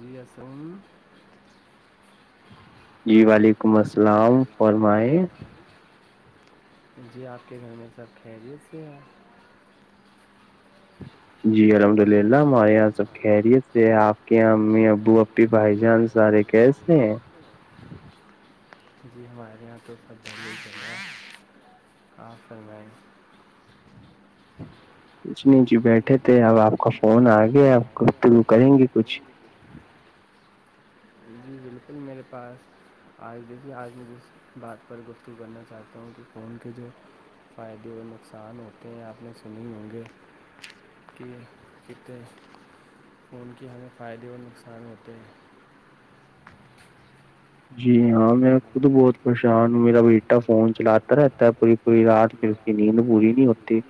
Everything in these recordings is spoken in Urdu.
ریسام جی وعلیکم السلام فرمائے جی آپ کے گھر میں سب خیریت سے ہے جی الحمد اللہ ہمارے یہاں سب خیریت سے آپ کے یہاں امی ابو ای بھائی جان سارے کیسے ہیں جی ہمارے یہاں تووپہ آپ فرم کچھ نہیں جی بیٹھے تھے اب آپ کا فون آ گیا آپ تھرو کریں گے کچھ بالکل میرے پاس آج دیکھیے آج میں جس بات پر گفتگو کرنا چاہتا ہوں کہ فون کے جو فائدے و نقصان ہوتے ہیں آپ نے س نہیں ہوں گے کہ کتنے فون کے ہمیں فائدے و نقصان ہوتے ہیں جی ہاں میں خود بہت پریشان ہوں میرا بی بیٹا فون چلاتتا رہتا ہے پوری پوری رات پ یہ نہیں کہ بوول نہیں ہوتی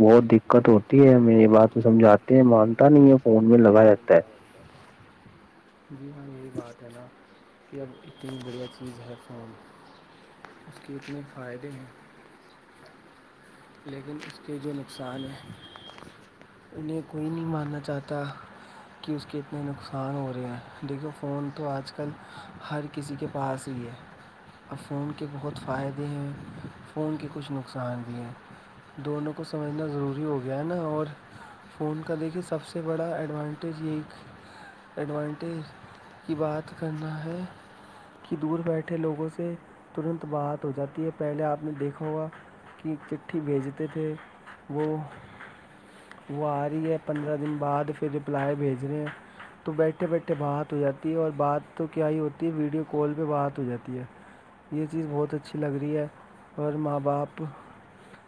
بہت دقت ہوتی ہے ہمیں یہ بات تو سمجھاتے ہیں مانتا نہیں ہے فون میں لگا رہاتا ہے جی ہاں بات ہے نا کہ اب اتنی بڑھیا چیز ہے فون اس کے اتنے فائدے ہیں لیکن اس کے جو نقصان ہیں انہیں کوئی نہیں ماننا چاہتا کہ اس کے اتنے نقصان ہو رہے ہیں دیکھیو فون تو آج کل ہر کسی کے پاس ہی ہے اب فون کے بہت فائدے ہیں فون کے کچھ نقصان بھی ہیں دونوں کو سمجھنا ضروری ہو گیا ہے نا اور فون کا دیکھیے سب سے بڑا ایڈوانٹیج یہ ایک ایڈوانٹیج کی بات کرنا ہے کہ دور بیٹھے لوگوں سے ترنت بات ہو جاتی ہے پہلے آپ نے دیکھا ہوگا کی چٹھی بھیجتے تھے وہ وہ آ رہی ہے پندرہ دن بعد پھر رپلائی بھیج رہے ہیں تو بیٹھے بیٹھے بات ہو جاتی ہے اور بات تو کیا ہی ہوتی ہے ویڈیو کال پہ بات ہو جاتی ہے یہ چیز بہت اچھی لگ رہی ہے اور ماں باپ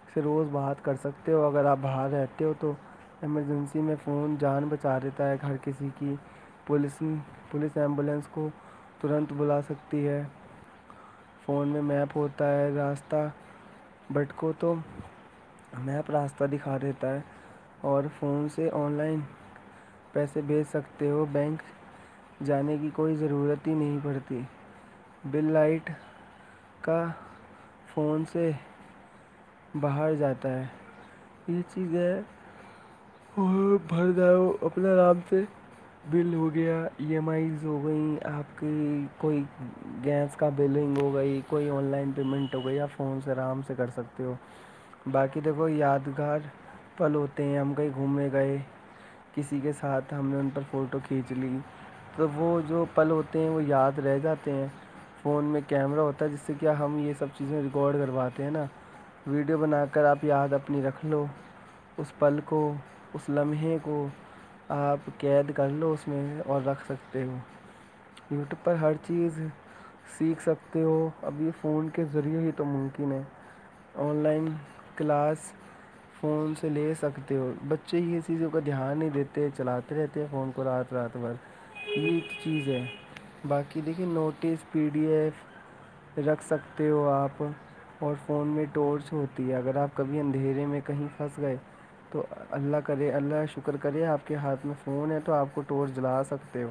پھر روز بات کر سکتے ہو اگر آپ باہر رہتے ہو تو ایمرجنسی میں فون جان بچا دیتا ہے گھر کسی کی پولیسن پولیس ایمبولینس کو ترنت بلا سکتی ہے فون میں میپ ہوتا ہے راستہ بٹ کو تو میپ راستہ دکھا دیتا ہے اور فون سے آن لائن پیسے بھیج سکتے ہو بینک جانے کی کوئی ضرورت ہی نہیں پڑتی بل لائٹ کا فون سے باہر جاتا ہے یہ چیزیں ہو بھر جؤ اپنے آرام سے بل ہو گیا ای ایم آئیز ہو گئیں آپ کی کوئی گیس کا بلنگ ہو گئی کوئی آن لائن پیمنٹ ہو گئی آپ فون سے آرام سے کر سکتے ہو باقی دیکھو یادگار پھل ہوتے ہیں ہم کہیں گھومنے گئے کسی کے ساتھ ہم نے ان پر فوٹو کھینچ لی تو وہ جو پل ہوتے ہیں وہ یاد رہ جاتے ہیں فون میں کیمرہ ہوتا ہے جس سے کیا ہم یہ سب چیزیں ریکارڈ کرواتے ہیں نا ویڈیو بنا کر آپ یاد اپنی رکھ لو اس پل کو اس لمحے کو آپ قید کر لو اس میں اور رکھ سکتے ہو یوٹیوب پر ہر چیز سیکھ سکتے ہو ابھی فون کے ذریعے ہی تو ممکن ہے آن لائن کلاس فون سے لے سکتے ہو بچے یہ چیزوں کا دھیان نہیں دیتے چلاتے رہتے ہیں فون کو رات رات بھر یہ ایک چیز ہے باقی دیکھیے نوٹس پی ڈی ایف رکھ سکتے ہو آپ اور فون میں ٹورچ ہوتی ہے اگر آپ کبھی اندھیرے میں کہیں پھنس گئے تو اللہ کرے اللہ شکر کرے آپ کے ہاتھ میں فون ہے تو آپ کو ٹور جلا سکتے ہو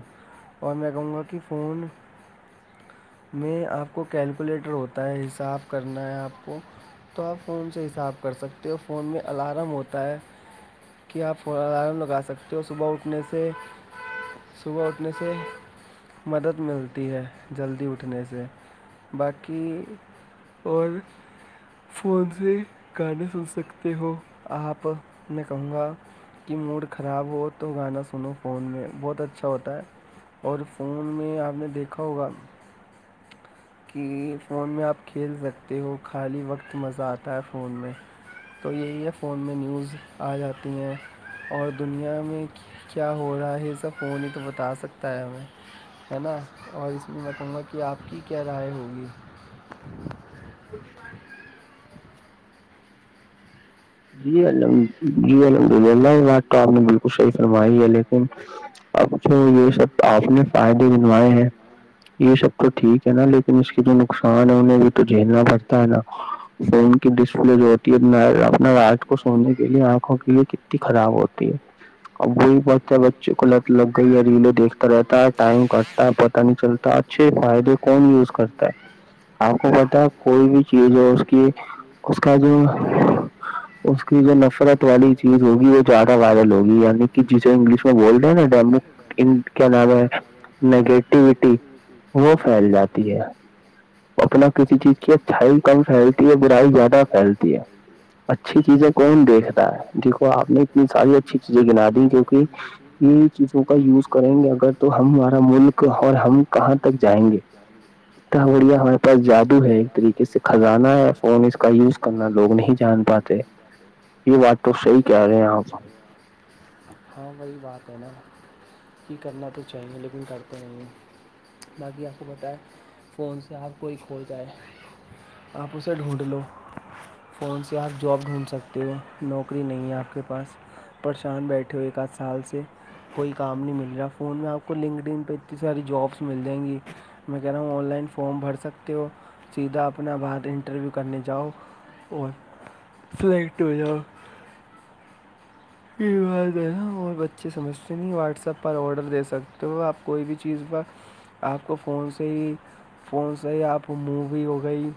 اور میں کہوں گا کہ فون میں آپ کو کیلکولیٹر ہوتا ہے حساب کرنا ہے آپ کو تو آپ فون سے حساب کر سکتے ہو فون میں الارم ہوتا ہے کیا آپ الارم لگا سکتے ہو صبح اٹھنے سے صبح اٹھنے سے مدد ملتی ہے جلدی اٹھنے سے باقی اور فون سے گانے سن سکتے ہو آپ میں کہوں گا کہ موڈ خراب ہو تو گانا سنو فون میں بہت اچھا ہوتا ہے اور فون میں آپ نے دیکھا ہوگا کہ فون میں آپ کھیل سکتے ہو خالی وقت مزہ آتا ہے فون میں تو یہی ہے فون میں نیوز آ جاتی ہیں اور دنیا میں کیا ہو رہا ہے سب فون ہی تو بتا سکتا ہے ہمیں ہے نا اور اس میں متمت کہ آپ کی کیا رائے ہوگی جی المد جی الحمد للہات آپ نے بالکل صحیح فرمائی ہے لیکن اب تو یہ سب آپ نے فائدے بنوائے ہیں یہ سب تو ٹھیک ہے نا لیکن اس کے جو نقصان ہے انہیں وہ تو جھیلنا پڑتا ہے نا فون کی ڈسپلے جو ہوتی ہے ا ن نوات کو سونے کے لیے آنکھوں کے لیے کتنی خراب ہوتی ہے اب وہی بتا ہے بچے کو لت لگ گئی ہے ریلیں دیکھتا رہتا ہے ٹائم کٹتا ہے پتا نہیں چلتا اھے فائدے کون یوز کرتا ہے آپ کو پتا کوئی بھی چیز ہو اس کی اس کا جو اس کی جو نفرت والی چیز ہوگی وہ زیادہ وائرل ہوگی یعنی کہ جسے انگلش میں وولڈ ہے نا ڈیمو کیا نام ہے نگیٹیوٹی وہ پھیل جاتی ہے اپنا کسی چیز کی اچھائی کم پھیلتی ہے برائی زیادہ پھیلتی ہے اچھی چیزیں کون دیکھ رہا ہے دیکھو آپ نے اتنی ساری اچھی چیزیں گنا دی جوکہ یہ چیزوں کا یوز کریں گے اگر تو ہمارا ملک اور ہم کہاں تک جائیں گے ج گوڑیا ہمارے پاس جادو ہے طریقے سے کزانا ہے فون اس کا یوز کرنا لوگ نہیں جان پاتے یہ بات تو صحیح کہہ رہے ہیں آپ ہاں وہی بات ہے نا کہ کرنا تو چاہیے لیکن کرتے نہیں ہیں باقی آپ کو پت ہے فون سے آپ کوئی کھو جائے آپ اس اسے ڈھونڈ لو فون سے آپ جاب ڈھونڈ سکتے ہو نوکری نہیں ہے آپ کے پاس پریشان بیٹھے اٹھوں ایک آدھ سال سے کوئی کام نہیں مل رہا ہے فون میں آپ کو لنکڈ ان پہ اتنی ساری جابس مل جائیں گی میں کہہ رہا ہوں آن لائن فارم بھر سکتے ہو سیدھا اپنا بعد انٹرویو کرنے جاؤ اور فلیکٹ ہویا پ بات ہے نا اور بچے سمجھتے نہیں واٹسپ پر آڈر دے سکتے ہو آپ کوئی بھی چیز پر آپ کو فون سے ہی فون سے ہی آپ مو بھی ہو گئی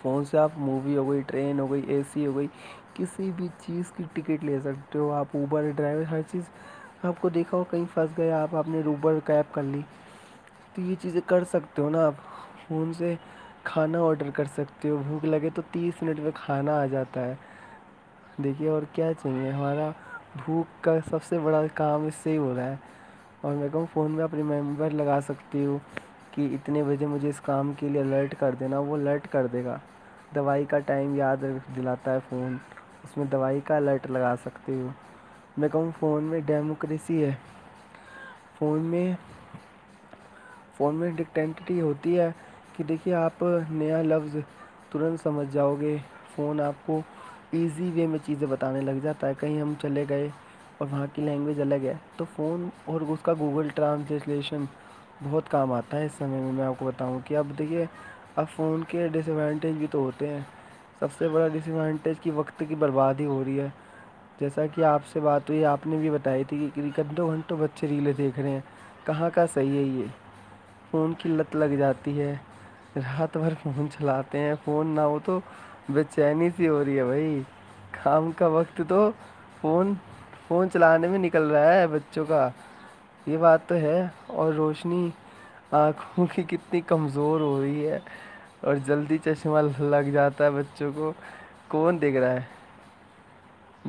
فون سے آپ مووی ہو گئی ٹرین ہو گئی اے سی ہو گئی کسی بھی چیز کی ٹکٹ لے سکتے ہو آپ اوبر ڈرائیور ہر چیز سب کو دیکھا اور کہیں پھنس گیا آپ اپ نے روبر کیب کر لی تو یہ چیزیں کر سکتے ہو نا آپ فون سے کھانا آڈر کر سکتے ہو بھوک لگے تو تیس منٹ میں کھانا آ جاتا ہے دیکھیے اور کیا چاہے ہمارا بھوک کا سب سے بڑا کام اس سے ہی ہو رہا ہے اور میں کہوں فون میں اپنی میمی لگا سکتی ہوں کہ اتنے بجے مجھے اس کام کے لیے الرٹ کر دینا وہ الرٹ کر دے گا دوائی کا ٹائم یاد دلاتا ہے فون اس میں دوائی کا الٹ لگا سکتی ہ میں کہوں فون میں ڈیموکریسی ہے پوو میں فون میں ڈکٹینٹٹی ہوتی ہے کہ دیکھیے آپ نیا لفظ ترنت سمجھ جاؤ گے فون آپ کو ایزی وے میں چیزیں بتا بنے لگ جاتا ہے کہیں ہم چلے گئے اور وہاں کی لینگویج الگ ہے تو فون اور اس کا گوگل ٹرانسلیسلیشن بہت کام آتا ہے اس سمے میں آپ کو بتاؤں کہ آپ دیکھیے اب فون کے ڈس ایڈوانٹیج بھی تو ہوتے ہیں سب سے بڑا ڈس ایڈوانٹیج کی وقت کی برباد ہی ہو رہی ہے جیسا کہ آپ سے بات ہوئی آپ نے بھی بتائی تھی کہ ک دو گھنٹوں بچے ریلیں دیکھ رہے ہیں کہاں کا صحیح ہے یہ فون کی لت لگ جاتی ہے رات بھر فون چلاتے ہیں فون نہ ہو تو بے چینی سی ہو رہی ہے بھائی کام کا وقت تو فون فون چلانے میں نکل رہا ہے بچوں کا یہ بات تو ہے اور روشنی آنکھوں کی کتنی کمزور ہو رہی ہے اور جلدی چشمہ لگ جاتا ہے بچوں کو کون دیکھ رہا ہے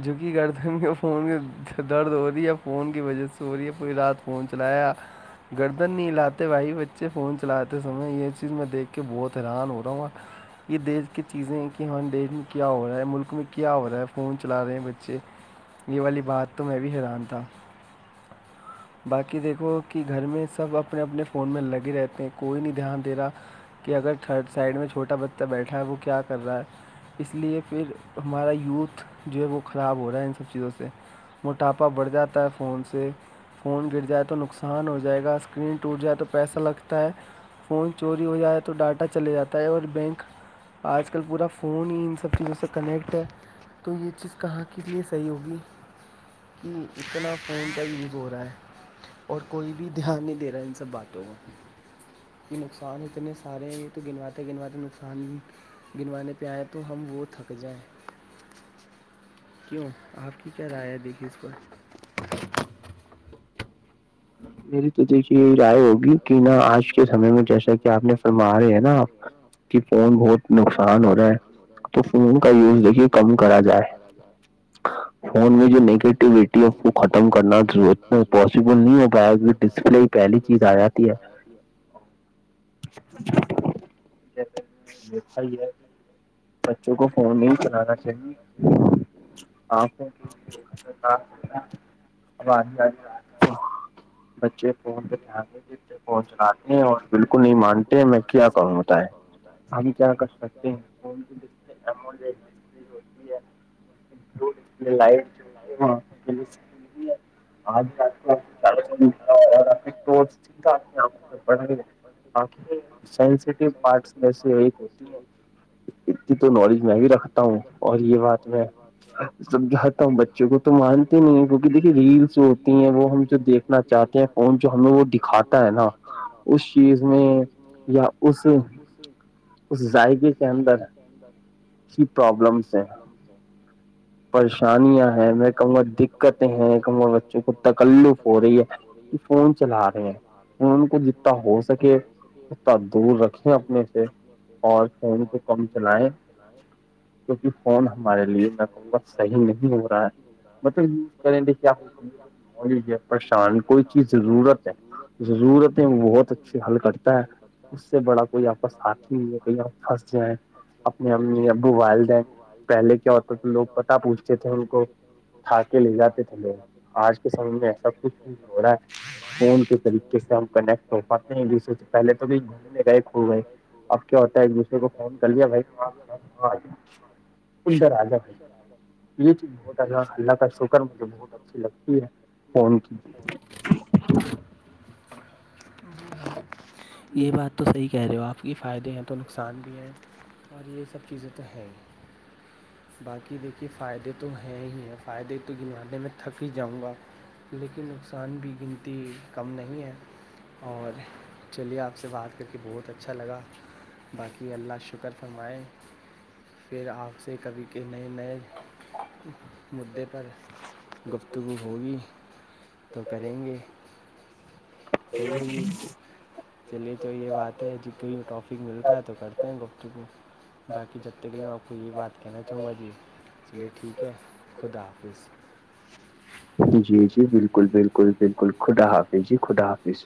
جو کہ کرتے ہیں فون کے درد ہو رہی ہے فون کی وجہ سے ہو رہی ہے پوری رات فون چلایا گردن نہیں لاتے بھائی بچے فون چلاتے سمے یہ چیز میں دیکھ کے بہت حیران ہو رہا ہوں یہ دیش کی چیزیں کہ ہانڈیش میں کیا ہو رہا ہے ملک میں کیا کیا ہو رہا ہے فون چلا رہے ہیں بچے یہ والی بات تو میں بھی حیران تھا [inaudible] باقی دیکھو کہ گھر میں سب اپنے اپنے فون میں لگے رہتے ہیں کوئی نہیں دھیان دے رہا کہ اگر تھرڈ سائڈ میں چھوٹا بچہ بیٹھا ہے وہ کیا کر رہا ہے اس لیے پھر ہمارا یوتھ جو ہے وہ خراب ہو رہا ہے ان سب چیزوں سے موٹاپا بڑھ جاتا ہے فون سے فون گر جائے تو نقصان ہو جائے گا اسکرین ٹوٹ جائے تو پیسہ لگتا ہے فون چوری ہو جائے تو ڈاٹا چلے جاتا ہے اور بینک آج کل پورا فون ہی ان سب چیزوں سے کنیکٹ ہے تو یہ چیز کہاں کے لیے صحیح ہوگی کہ اتنا فون کا یوز ہو رہا ہے اور کوئی بھی دھیان نہیں دے رہا ہے ان سب باتوں کو کہ نقصان اتنے سارے تو گنواتے گنواتے نقصان گنوانے پہ آیا تو ہم وہ تھک جائیں کیوں آپ کی کیا رائے ہے دیکھی اس کو میری تو دیکھیے یہی رائے ہوگی کہ نہا آج کے سمے میں جیسا کہ آپ نے فرما رہے ہیں نا آپ کہ فون بہت نقصان ہو رہا ہے تو فون کا یوز دیکھیے کم کرا جائے فون میں جو نگیٹیوٹی ہے اس کو ختم کرنا ضرورت پاسبل نہیں ہو بیگ ڈسپلے پہلی چیز آ جاتی ہے ج تک دیکھا ہی ہے کہ [unintelligible] بچوں کو فون نہیں چلانا چاہیے آنکھوں کے اب جی ج بچے فون پہ دھیان نہیں دیتے فون چلاتے ہیں اور بالکل نہیں مانتے میں کیا کروںت ہے ہم کیا کر سکتے ہیں فون کی ڈسپ ایمو ڈپ ہوتی ہے وڈ لائف آج آ کو آپ [unintelligible] اور آ چتا میںڑ سینٹیو پارٹس میں سے ایک ہوتی ہے اتنی تو نالج میں بھی رکھتا ہوں اور یہ بات میں سب جاتا ہوں بچوں کو تو مانتے نہیں کیونکہ دیکھیے ریلس جو ہوتی ہیں وہ ہم دیکھنا چاہتے ہیں فون جو ہمیں وہ دکھاتے ہے نا اس چیز میں یا اس اس ذائقے اندر کی پرابلمس ہیں پریشان پشانیاں ہیں میں کم دقتیں ہیں کمر بچوں کو تکلف ہو رہی ہے کہ فون چلا رہے ہیں فون کو جتا ہو سکے انا دور رکھیں اپنے سے اور فون کو کم چلائیں کیونکہ فون ہمارے لیے میں کہوں گا صحیح نہیں ہو رہا ہے مطلب ز کر کیا ک پریشان کوئی چیز ضرورت ہے ضرورتیں بہت اچھے حل کرتا ہے اس سے بڑا کوئی آپس ہات ہی نہیں ہے کہئی آ پھنس جائیں امی ابو والدین پہلے کے اور پ تو لوگ پتا پوچھتے تھے ان کو ٹا کے لے جاتے تھے لوگ آج کے سمے میں ایسا کچھ نہیں ہو رہا ہے فون کے طریقے سے ہم کنیکٹ ہو پاتے ہیں جسر پہلے تو گھومنے گئے کھو گئے اب کیا ہوتا ہے ایک دوسرے کو فون کر لیا بھائی وہاں کھ وہاں آ ج سندر آظم ہے یہ چیز بہت اللہ کا شکر مجھے بہت اچھی لگتا ہے ہے فون کی [inaudible] یہ بات تو صحیح کہہ رہے ہو آپ کی فائدے ہیں تو نقصان بھی ہیں اور یہ سب چیزیں تو ہیں ہی باقی دیکھیے فائدے تو ہیں ہی ہیں فائدے تو گنارے میں تھک ہی جاؤں گا لیکن نقصان بھی گنتی کم نہیں ہے اور چلیے آپ سے بات کر کے بہت اچھا لگا باقی اللہ شکر فرمائ پھر آپ سے کبھی کہ نئے نئے مدے پر گفتگو ہوگئی تو کریں گے [unintelligible] چلیے تو یہ بات ہے ج کہیں ٹرافک ملتا ہے تو کرتے ہیں گفتگو باقی جب تک کے لیے میں آپ کو یہ بات کہنا چاہوں گا جی چلیے ٹھیک ہے خدا حافظ جی جی بالکل بالکل بالکل خدا حافظ جی خدا حافظ